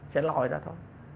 sẽ lòi ra thôi